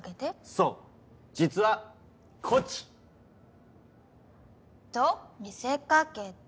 そう実はこっち！と見せ掛けて？